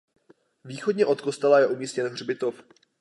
Východně od kostela je umístěn hřbitov.